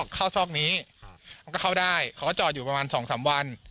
ก็เข้าได้เขาก็จอดอยู่ประมาณ๒๓วัน